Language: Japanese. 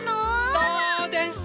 そうです。